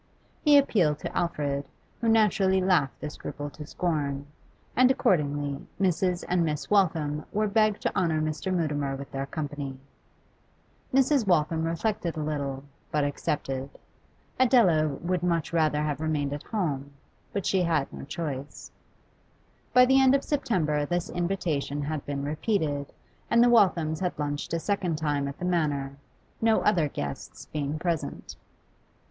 He appealed to Alfred, who naturally laughed the scruple to scorn, and accordingly Mrs. and Miss Waltham were begged to honour Mr. Mutimer with their company. Mrs. Waltham reflected a little, but accepted. Adela would much rather have remained at home, but she had no choice. By the end of September this invitation had been repeated, and the Walthams had lunched a second time at the Manor, no other guests being present.